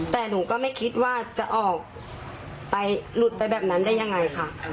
แต่หนูก็ไม่คิดว่าจะออกไปหลุดไปแบบนั้นได้ยังไงค่ะ